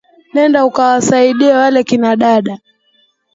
Nenda ukawasaidie wale kina dada.